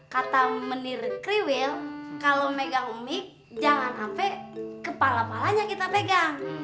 kata menir kriwil kalo megang umik jangan sampe kepala palanya kita pegang